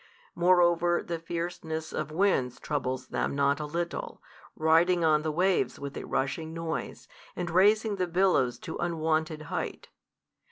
Moreover the fierceness of winds troubles them not a little, riding on the waves with a rushing noise, and raising the billows to unwonted height.